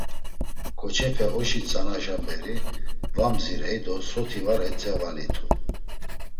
Ǩoçepe oşi tzanaşa beri va mzirey do soti var etzevalitu.